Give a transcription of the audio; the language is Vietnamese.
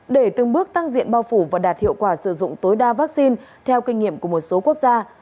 để từng bước tăng diện bao phủ và đạt hiệu quả sử dụng tối đa vaccine theo kinh nghiệm của một số quốc gia